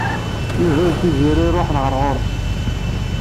Yuba d Tiziri ṛuḥen ɣer ɣur-s.